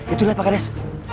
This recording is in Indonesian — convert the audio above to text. itulah pak kardes